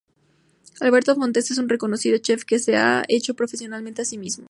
Alberto Fortes es un reconocido chef que se ha hecho profesionalmente a sí mismo.